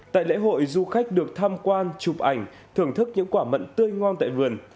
tại lễ hội du khách được tham quan chụp ảnh thưởng thức những quả mận tươi ngon tại vườn